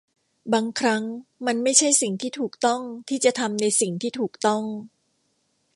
บางครั้งมันไม่ใช่สิ่งที่ถูกต้องที่จะทำในสิ่งที่ถูกต้อง